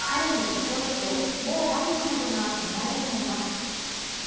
チョコレート、モウバニラなどが値上げされます。